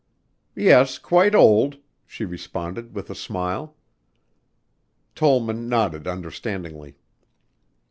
"Yes, quite old," she responded with a smile. Tollman nodded understandingly.